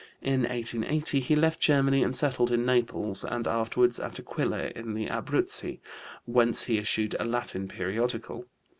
In 1880 he left Germany and settled in Naples, and afterward at Aquila in the Abruzzi, whence he issued a Latin periodical.